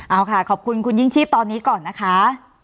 เอาค่ะขอบคุณคุณยิ่งชีพตอนนี้ก่อนนะคะ